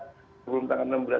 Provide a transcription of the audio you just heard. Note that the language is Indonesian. sebelum tanggal enam belas itu udah